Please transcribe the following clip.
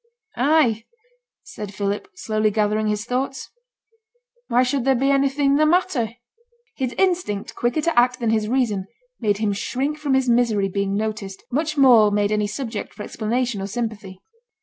'I!' said Philip, slowly gathering his thoughts. 'Why should there be anything the matter?' His instinct, quicker to act than his reason, made him shrink from his misery being noticed, much more made any subject for explanation or sympathy.